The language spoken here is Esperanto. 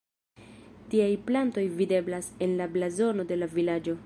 Tiaj plantoj videblas en la blazono de la vilaĝo.